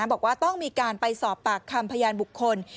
บอกว่าต้องมีการไปสอบปากคำพยานบุคคล